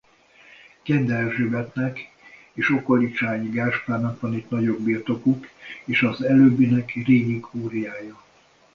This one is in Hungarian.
Kende Erzsébetnek és Okolicsányi Gáspárnak van itt nagyobb birtokuk és az előbbinek régi kúriája.